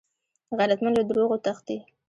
غیرتمند له دروغو وتښتي